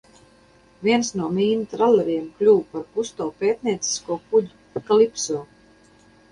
"Viens no mīnu traleriem kļuva par Kusto pētniecisko kuģi "Kalipso"."